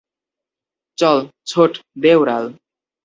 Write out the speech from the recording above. চল, ছোট, দে উড়াল!